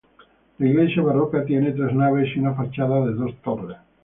La iglesia barroca, tiene tres naves y una fachada de dos torres.